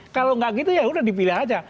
kalau nggak gitu ya udah dipilih aja